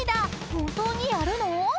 本当にやるの？］